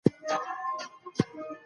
هغه علم چي په عمل کي نه وي، بې ګټې دی.